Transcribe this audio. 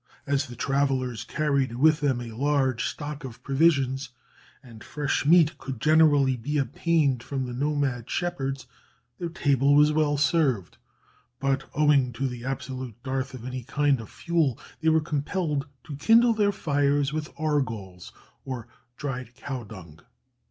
As the travellers carried with them a large stock of provisions, and fresh meat could generally be obtained from the nomad shepherds, their table was well served; but owing to the absolute dearth of any other kind of fuel, they were compelled to kindle their fires with argols, or dried cow dung.